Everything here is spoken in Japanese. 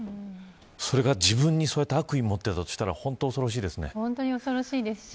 それが自分に悪意を持っているんだとしたら本当恐ろしいですね。